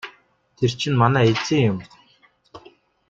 Тэр чинь манай эзэн юм.